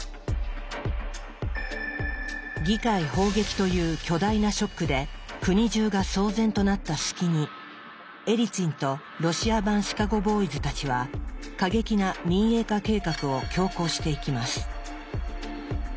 議会砲撃という巨大なショックで国中が騒然となった隙にエリツィンとロシア版シカゴ・ボーイズたちは過激な民営化計画を強行していきます。